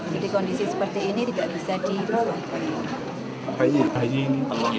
jadi kondisi seperti ini tidak bisa dipisahkan